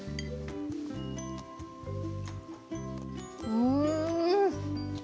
うん！